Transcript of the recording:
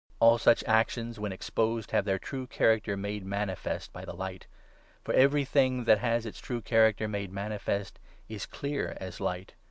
All such actions, when exposed, have their 13 true character made manifest by the Light. For everything that has its true character made manifest is clear as light.